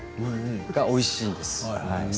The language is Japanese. おいしいです。